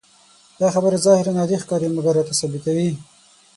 دا خبره ظاهراً عادي ښکاري، مګر راته ثابتوي.